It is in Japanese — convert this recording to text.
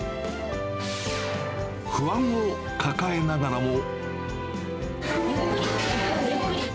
不安を抱えながらも。